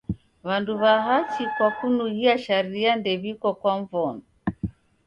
W'andu w'a hachi kwa kunughia sharia ndew'iko kwa mvono.